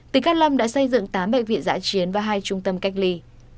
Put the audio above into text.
tỉnh cát lâm đã xây dựng tám bệnh viện giã chiến và hai trung tâm cách ly